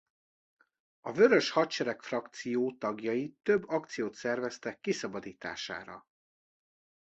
A Vörös Hadsereg Frakció tagjai több akciót szerveztek kiszabadítására.